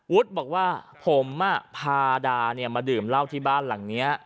วุธบอกว่าผมอะพาดาเนี่ยมาดื่มเหล้าที่บ้านหลังเนี้ย